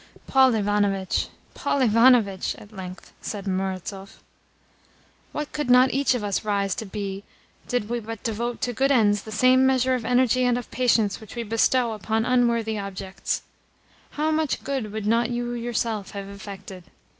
"Paul Ivanovitch, Paul Ivanovitch," at length said Murazov, "what could not each of us rise to be did we but devote to good ends the same measure of energy and of patience which we bestow upon unworthy objects! How much good would not you yourself have effected!